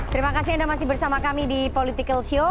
terima kasih sudah bersama kami di political show